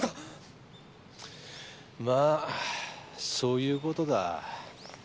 まあそういう事だ。